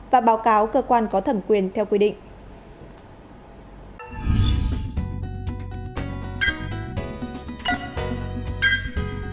và báo cáo cơ quan có thẩm quyền theo quy định